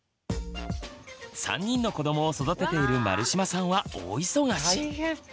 ３人の子どもを育てている丸島さんは大忙し。